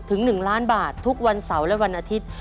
ถึง๑ล้านบาททุกวันเสาร์และวันอาทิตย์